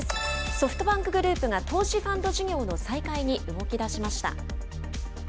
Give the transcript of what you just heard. ソフトバンクグループが投資ファンド事業の再開に動きだしました。